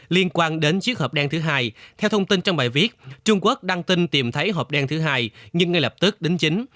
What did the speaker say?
liên quan đến chiếc hộp đen thứ hai theo thông tin trong bài viết trung quốc đăng tin tìm thấy hộp đen thứ hai nhưng ngay lập tức đính chính